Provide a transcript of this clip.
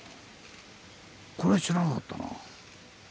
これ知らなかったな。